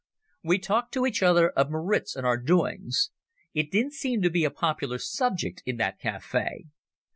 We talked to each other of Maritz and our doings. It didn't seem to be a popular subject in that cafe.